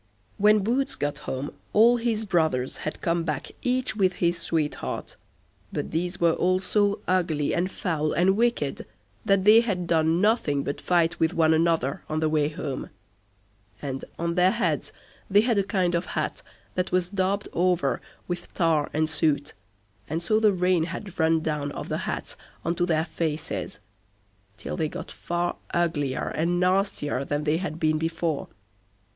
When Boots got home all his brothers had come back each with his sweetheart, but these were all so ugly, and foul, and wicked, that they had done nothing but fight with one another on the way home, and on their heads they had a kind of hat that was daubed over with tar and soot, and so the rain had run down off the hats on to their faces, till they got far uglier and nastier than they had been before.